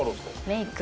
メイク。